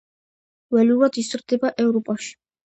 ველურად იზრდება ევროპაში.